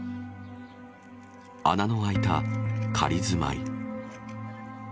穴の開いた仮住まい。